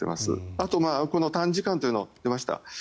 あと、この短時間というのがありました。